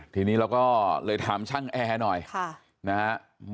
ทีนี้เราก็เลยถามช่างแอร์หน่อยนะฮะ